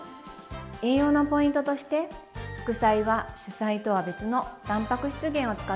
栄養のポイントとして副菜は主菜とは別のたんぱく質源を使ったおかずを添えます。